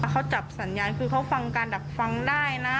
เขาจับสัญญาณคือเขาฟังการดักฟังได้นะ